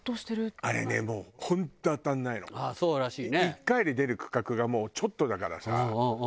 １回で出る区画がもうちょっとだからさ。